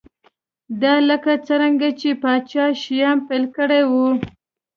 دا لکه څرنګه چې پاچا شیام پیل کړی و